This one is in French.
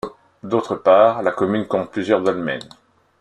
D'autre part, la commune compte plusieurs dolmens.